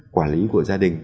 quản lý của gia đình